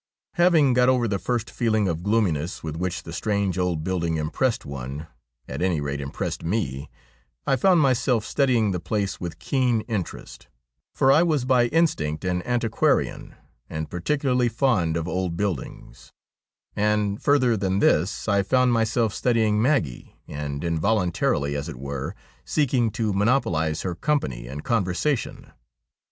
Having got over the first feeling of gloominess with which the strange old building impressed one, at any rate impressed me, I found myself studying the place with keen interest ; for I was by instinct an antiquarian, and particularly fond of old buildings ; and, further than this, I found myself studying Maggie and, involuntarily as it were, seeking to monopolise her company and conversation.